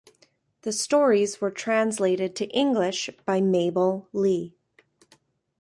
The stories were translated to English by Mabel Lee.